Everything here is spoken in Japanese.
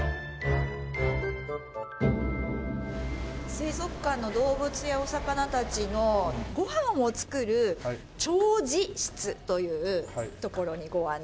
水族館の動物やお魚たちのご飯を作る調餌室という所にご案内します。